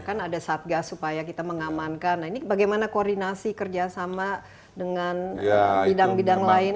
kan ada satgas supaya kita mengamankan nah ini bagaimana koordinasi kerjasama dengan bidang bidang lain